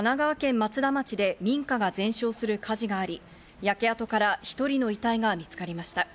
松田町で民家が全焼する火事があり、焼け跡から１人の遺体が見つかりました。